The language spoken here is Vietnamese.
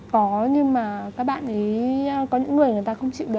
có nhưng mà các bạn ý có những người người ta không chịu được